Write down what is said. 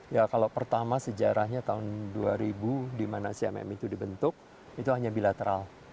ya kalau pertama sejarahnya tahun dua ribu dimana cmim itu dibentuk itu hanya bilateral